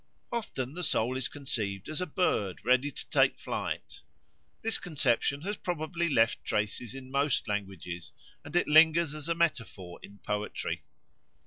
Often the soul is conceived as a bird ready to take flight. This conception has probably left traces in most languages, and it lingers as a metaphor in poetry.